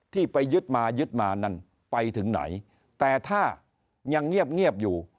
ที่ไปยึดมายึดมานั่นไปถึงไหนแต่ถ้ายังเงียบอยู่